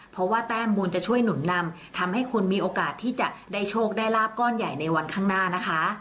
เพราะว่าแต้มบุญจะช่วยหนุนนำทำให้คุณมีโอกาสที่จะได้โชคได้ลาบก้อนใหญ่ในวันข้างหน้านะคะ